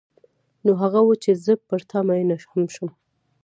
نو هغه و چې زه پر تا مینه هم شوم.